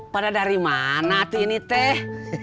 pada dari mana ini teh